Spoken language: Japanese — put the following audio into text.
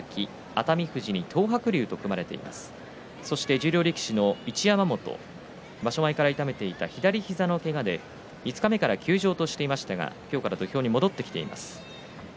十両力士の一山本場所前から痛めていた左膝のけがで五日目から休場としていましたが今日から土俵に戻ってきました。